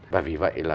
và vì vậy là